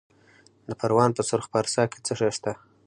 د پروان په سرخ پارسا کې څه شی شته؟